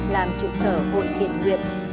làm trụ sở hội thiện nguyện